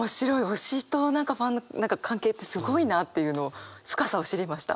推しとファンの関係ってすごいなあっていうのを深さを知りました。